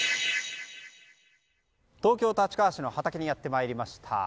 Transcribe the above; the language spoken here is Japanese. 東京・立川市の畑にやってまいりました。